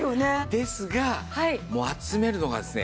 ですがもう集めるのがですね